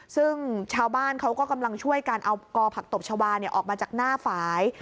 ซึ่งชาวบ้านเขาก็กำลังช่วยกันเอากอผักตบชาวาออกมาจากหน้าฝ่าย